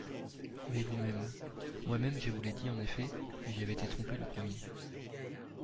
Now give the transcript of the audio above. Mais, vous-même … Moi-même, je vous l'ai dit, en effet, mais j'avais été trompé le premier.